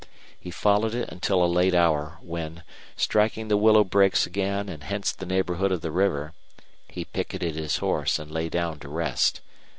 He followed it until a late hour, when, striking the willow brakes again and hence the neighborhood of the river, he picketed his horse and lay down to rest.